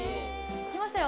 来ましたよ。